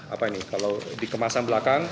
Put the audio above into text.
apa ini kalau dikemasan belakang